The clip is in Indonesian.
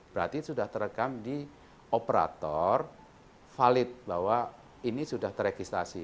berarti sudah terekam di operator valid bahwa ini sudah terekistasi